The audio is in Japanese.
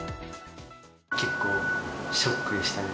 結構ショックでしたね。